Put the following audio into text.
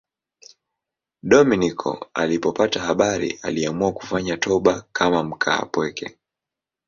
Dominiko alipopata habari aliamua kufanya toba kama mkaapweke.